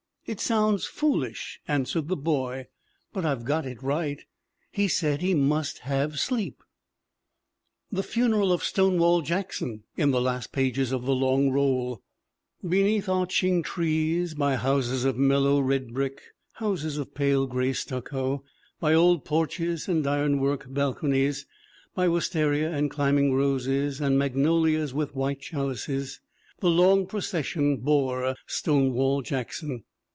" 'It sounds foolish/ answered the boy, 'but I've got it right. He said he must have sleep/ ' The funeral of Stonewall Jackson in the last pages of The Long Roll: "Beneath arching trees, by houses of mellow red brick, houses of pale gray stucco, by old porches and ironwork balconies, by wistaria and climbing roses and magnolias with white chalices, the long procession bore Stonewall Jackson.